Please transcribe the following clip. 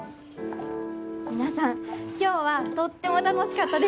皆さん今日はとっても楽しかったです。